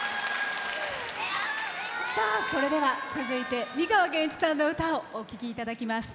それでは、続いて美川憲一さんの歌をお聴きいただきます。